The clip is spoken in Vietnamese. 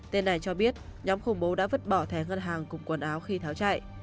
tên này cho biết nhóm khủng bố đã vứt bỏ thẻ ngân hàng cùng quần áo khi tháo chạy